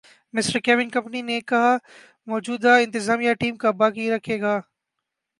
mister Kevin company نے کہا موجودہ انتظامیہ ٹیم کا باقی رکھے گا